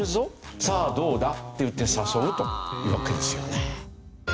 さあどうだ？って言って誘うというわけですよね。